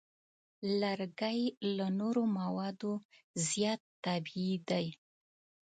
لرګی له نورو موادو زیات طبیعي دی.